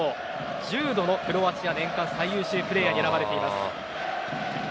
１０度のクロアチア年間最優秀プレーヤーに選ばれています。